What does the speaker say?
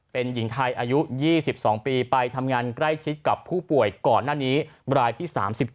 เป็นหญิงไทยอายุ๒๒ปีไปทำงานใกล้ชิดกับผู้ป่วยก่อนหน้านี้รายที่๓๗